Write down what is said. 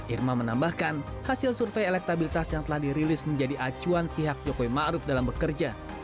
irma menambahkan hasil survei elektabilitas yang telah dirilis menjadi acuan pihak jokowi ⁇ maruf ⁇ dalam bekerja